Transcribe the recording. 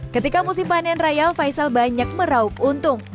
ketika musim panen raya faisal banyak meraup untung